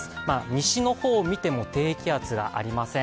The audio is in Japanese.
西の方を見ても低気圧がありません。